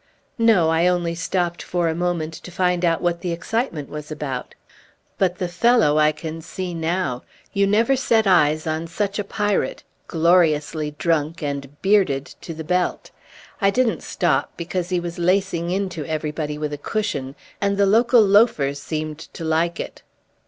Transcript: "No, I only stopped for a moment, to find out what the excitement was about; but the fellow I can see now. You never set eyes on such a pirate gloriously drunk and bearded to the belt. I didn't stop, because he was lacing into everybody with a cushion, and the local loafers seemed to like it."